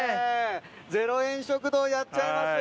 ０円食堂やっちゃいます。